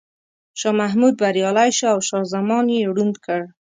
شاه محمود بریالی شو او شاه زمان یې ړوند کړ.